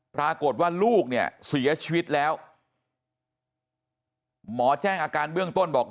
ปรากฏว่าลูกเนี่ยเสียชีวิตแล้วหมอแจ้งอาการเบื้องต้นบอก